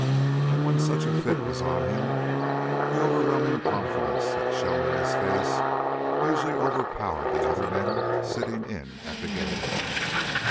And when such a fit was on him, the overwhelming confidence that shone in his face usually overpowered the other men sitting in at the game.